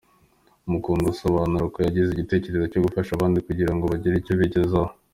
Mukundwa asobanura uko yagize igitekerezo cyo gufasha abandi kugira ngo bagire icyo bigezaho.